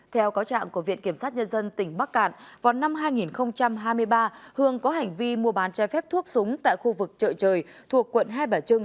theo cáo trạng của viện kiểm sát nhân dân tỉnh bắc cạn vào năm hai nghìn hai mươi ba hưởng có hành vi mua bán che phép thuốc súng tại khu vực chợ trời thuộc quận hai bả trưng